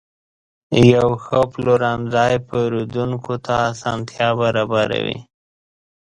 یو ښه پلورنځی پیرودونکو ته اسانتیا برابروي.